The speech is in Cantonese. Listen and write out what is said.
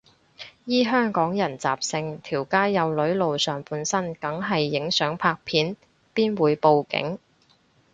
依香港人習性，條街有女露上半身梗係影相拍片，邊會報警